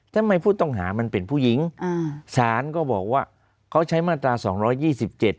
ทำไมผู้ต้องหามันเป็นผู้หญิงอ่าสารก็บอกว่าเขาใช้มาตราสองร้อยยี่สิบเจ็ด